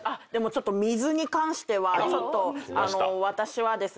ちょっと水に関しては私はですね